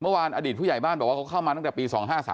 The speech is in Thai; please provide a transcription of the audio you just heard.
เมื่อวานอดีตผู้ใหญ่บ้านเขาเข้ามาตั้งแต่ปี๒๕๓๗